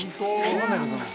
わかんないけどな。